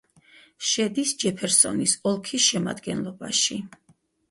შედის ჯეფერსონის ოლქის შემადგენლობაში.